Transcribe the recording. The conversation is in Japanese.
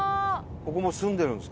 ここも住んでるんですかね？